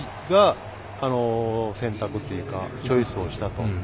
大谷が、選択というかチョイスをしたと。